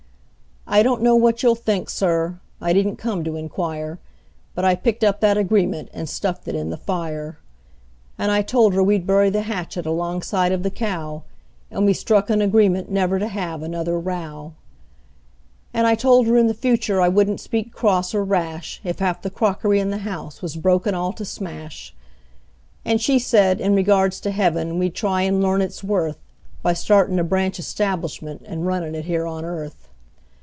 "AND KISSED ME FOR THE FIRST TIME IN OVER TWENTY YEARS!" I don't know what you'll think, Sir I didn't come to inquire But I picked up that agreement and stuffed it in the fire; And I told her we'd bury the hatchet alongside of the cow; And we struck an agreement never to have another row. And I told her in the future I wouldn't speak cross or rash If half the crockery in the house was broken all to smash; And she said, in regards to heaven, we'd try and learn its worth By startin' a branch establishment and runnin' it here on earth.